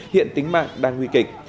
hiện tính mạng đang nguy kịch